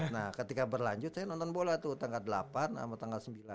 nah ketika berlanjut saya nonton bola tuh tanggal delapan sama tanggal sembilan